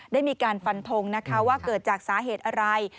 ได้มีการฟันทงนะคะว่าเกิดจากสาเหตุอะไร